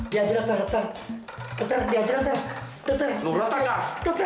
dia aja dokter dokter